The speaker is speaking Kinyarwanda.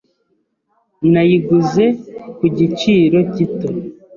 Nayiguze ku giciro gito.